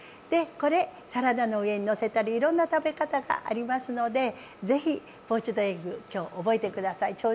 でこれサラダの上にのせたりいろんな食べ方がありますので是非ポーチドエッグ今日覚えて下さい。